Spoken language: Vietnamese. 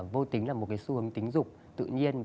vô tính là một cái xu hướng tính dục tự nhiên